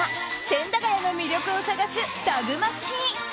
千駄ヶ谷の魅力を探すタグマチ。